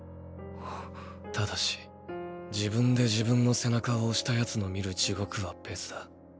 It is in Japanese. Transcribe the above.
ただし自分で自分の背中を押した奴の見る地獄は別だ。